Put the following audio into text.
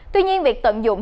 tuy nhiên việc tận dụng